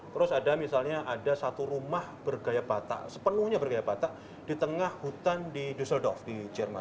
terus ada misalnya ada satu rumah bergaya batak sepenuhnya bergaya batak di tengah hutan di duseldov di jerman